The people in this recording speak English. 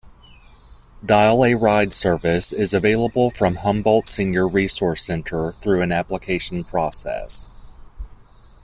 Dial-A-Ride service is available from Humboldt Senior Resource Center through an application process.